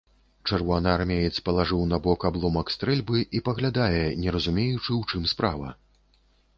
Чырвонаармеец палажыў набок абломак стрэльбы і паглядае, не разумеючы, у чым справа.